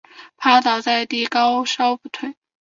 趴倒在地高烧不退